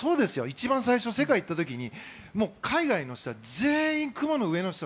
一番最初、世界に行った時に海外の人は全員雲の上の人。